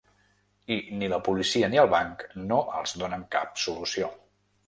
I ni la policia ni el banc no els donen cap solució.